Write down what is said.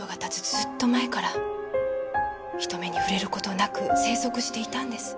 ずーっと前から人目に触れることなく生息していたんです。